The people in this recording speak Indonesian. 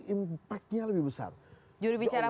impact nya lebih besar juru bicara